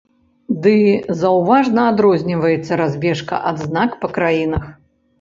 Ды заўважна адрозніваецца разбежка адзнак па краінах.